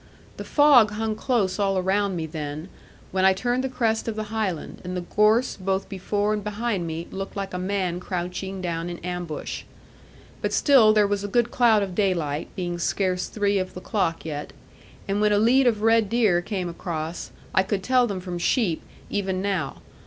The fog hung close all around me then, when I turned the crest of the highland, and the gorse both before and behind me looked like a man crouching down in ambush. But still there was a good cloud of daylight, being scarce three of the clock yet, and when a lead of red deer came across, I could tell them from sheep even now.